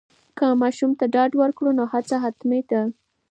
که ماشوم ته ډاډ ورکړو، نو هغه همت لری.